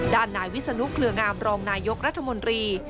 ด่านนายวิศนุกขมกรรมนายกรัฐมนครี